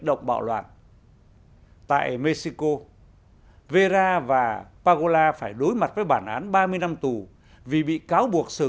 động bạo loạn tại mexico vera và pagola phải đối mặt với bản án ba mươi năm tù vì bị cáo buộc sử